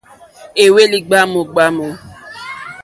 Éhwélì ɡbwámù ɡbwámù.